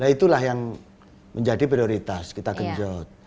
itulah yang menjadi prioritas kita kejut